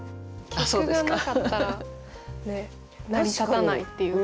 結句がなかったら成り立たないっていうか。